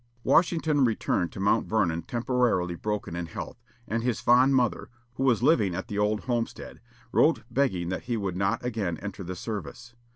Washington returned to Mount Vernon temporarily broken in health, and his fond mother, who was living at the old homestead, wrote begging that he would not again enter the service.